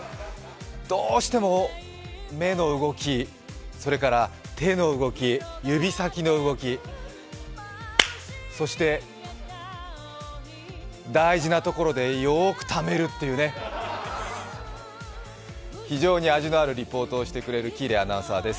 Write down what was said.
どうしても目の動き、それから手の動き、指先の動き、そして大事なところでよーくためるっていうね、非常に味のあるリポートをしてくれる喜入アナウンサーです。